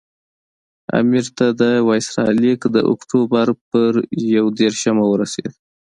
امیر ته د وایسرا لیک د اکټوبر پر یو دېرشمه ورسېد.